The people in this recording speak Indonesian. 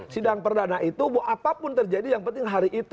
sidang perdana itu apapun terjadi yang penting hari itu